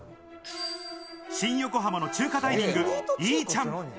新横浜の中華ダイニング、イーチャン。